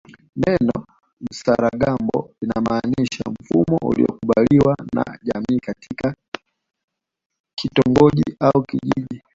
Neno msaragambo linamaanisha mfumo uliokubaliwa na jamii katika kitongoji au kijiji